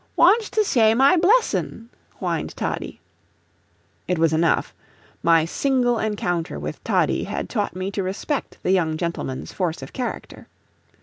"Wantsh to shay my blessin'," whined Toddie. It was enough; my single encounter with Toddie had taught me to respect the young gentleman's force of character.